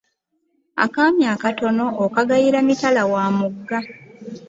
Akaami akatono okagayira mitala wa mugga.